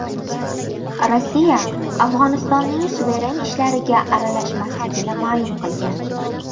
Rossiya Afg‘onistonning suveren ishlariga aralashmasligini ma’lum qilgan